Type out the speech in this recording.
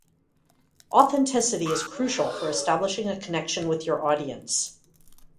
Authenticity is crucial for establishing a connection with your audience.